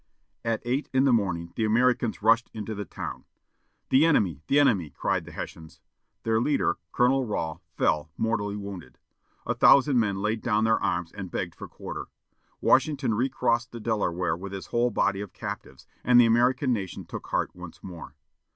At eight in the morning, the Americans rushed into the town. "The enemy! the enemy!" cried the Hessians. Their leader, Colonel Rahl, fell, mortally wounded. A thousand men laid down their arms and begged for quarter. Washington recrossed the Delaware with his whole body of captives, and the American nation took heart once more.